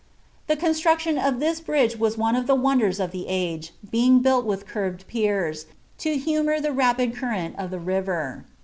The conBlruciion of this bndp i was one of the woiideia of th« age. being biull with currcd piers, lo ' humour the npid current of the liver.